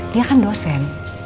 dia kan dosen